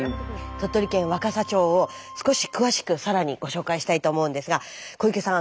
鳥取県若桜町を少し詳しく更にご紹介したいと思うんですが小池さん